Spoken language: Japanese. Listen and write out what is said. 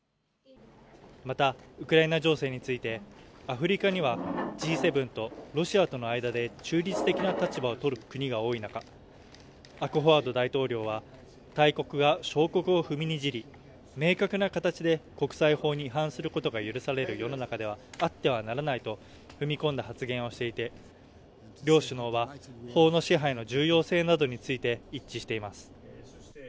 また、ウクライナ情勢について、アフリカにはＧ７とロシアとの間で中立的な立場を取る国が多い中、アクフォアド大統領は、大国が小国を踏みにじり、明確な形で国際法に反することが許される世の中ではあってはならないと踏み込んだ発言をしていて、両首脳は、法の支配の重要性などについて一致しています